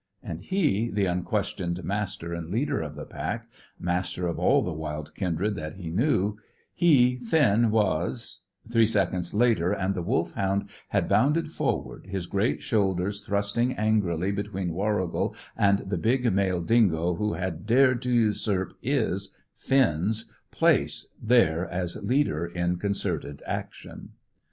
And he, the unquestioned master and leader of the pack, master of all the wild kindred that he knew; he, Finn, was Three seconds later, and the Wolfhound had bounded forward, his great shoulders thrusting angrily between Warrigal and the big male dingo who had dared to usurp his, Finn's, place there as leader in concerted action.